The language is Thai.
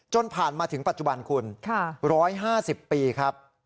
ผ่านมาถึงปัจจุบันคุณ๑๕๐ปีครับ